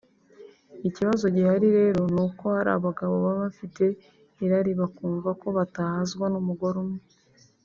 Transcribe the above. Ikibazo gihari rero nuko hari abagabo baba bafite irari bakumva ko batahazwa n’umugore umwe